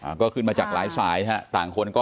หายจริงหายจริงหายจริงหายจริงหายจริง